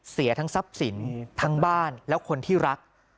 เสียทั้งทรัพย์สินทั้งบ้านและคนที่รัก